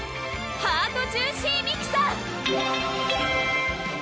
ハートジューシーミキサー！